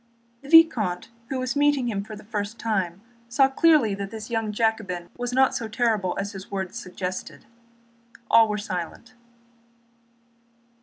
The vicomte who was meeting him for the first time saw clearly that this young Jacobin was not so terrible as his words suggested. All were silent.